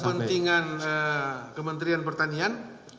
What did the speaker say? kepentingan kementerian pertanian